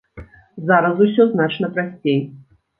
Зараз усё значна прасцей!